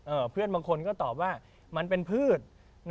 เพื่อนบางคนก็ตอบว่ามันเป็นพืช